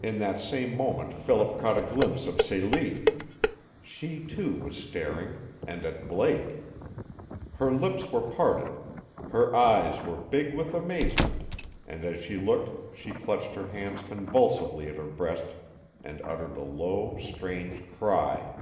In that same moment Philip caught a glimpse of Celie. She, too, was staring and at Blake. Her lips were parted, her eyes were big with amazement and as she looked she clutched her hands convulsively at her breast and uttered a low, strange cry.